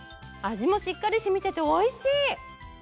味もしっかり染みてておいしい！